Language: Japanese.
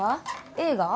映画？